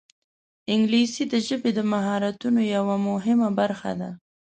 انګلیسي د ژبې د مهارتونو یوه مهمه برخه ده